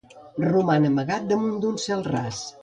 Roman amagat damunt d'un cel ras.